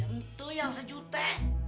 itu yang sejuta